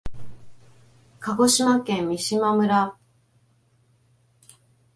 鹿児島県三島村